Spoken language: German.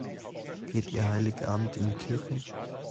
Geht ihr Heiligabend in die Kirche?